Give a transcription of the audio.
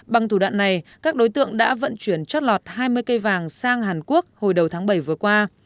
bằng thủ đoạn này các đối tượng đã vận chuyển chót lọt hai mươi cây vàng sang hàn quốc hồi đầu tháng bảy vừa qua